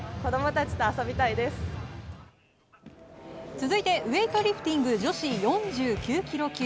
続いてウエイトリフティング女子４９ｋｇ級。